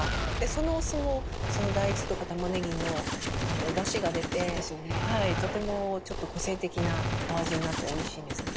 そのお酢も大豆とかたまねぎのおだしが出てとてもちょっと個性的なお味になっておいしいんですね。